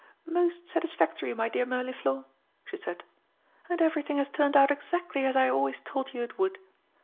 "Most satisfactory, my dear Mirliflor!" she said. "And everything has turned out exactly as I always told you it would.